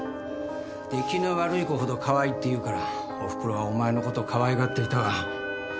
出来の悪い子ほどかわいいって言うからおふくろはお前の事をかわいがっていたが。